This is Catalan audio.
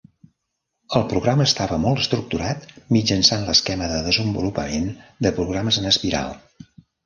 El programa estava molt estructurat mitjançant l'esquema de desenvolupament de programes en espiral.